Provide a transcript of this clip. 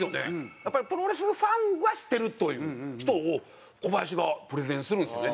やっぱりプロレスファンは知ってるという人をコバヤシがプレゼンするんですよね。